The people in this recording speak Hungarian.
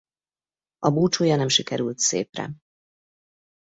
A búcsúja nem sikerült szépre.